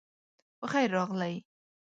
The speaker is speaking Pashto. پخير راغلئ